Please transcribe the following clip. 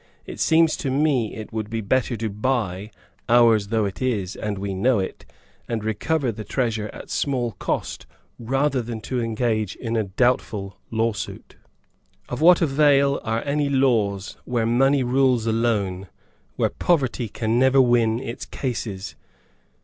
It seems to me that it would be better to buy, ours though it is, and we know it, and recover the treasure at small cost, rather than to engage in a doubtful lawsuit." Of what avail are any laws, where money rules alone, Where Poverty can never win its cases?